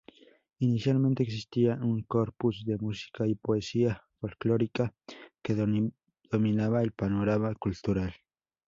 Inicialmente, existía un corpus de música y poesía folclórica que dominaba el panorama cultural.